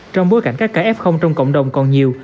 trong bối cảnh các ca f trong cộng đồng còn nhiều